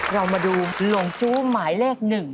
เรามาดูหลงจู้หมายเลข๑